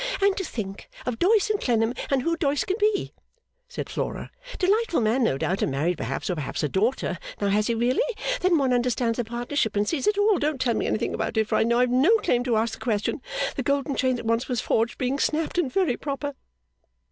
'And to think of Doyce and Clennam, and who Doyce can be,' said Flora; 'delightful man no doubt and married perhaps or perhaps a daughter, now has he really? then one understands the partnership and sees it all, don't tell me anything about it for I know I have no claim to ask the question the golden chain that once was forged being snapped and very proper.